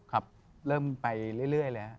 ครับเริ่มไปเรื่อยเลยครับ